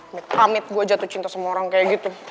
amit amit gue jatuh cinta sama orang kayak gitu